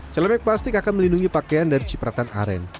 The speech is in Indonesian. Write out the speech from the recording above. celebek plastik akan melindungi pakaian dari cipratan aren